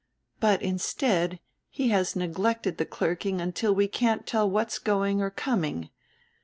But, instead, he has neglected the clerking until we can't tell what's going or coming.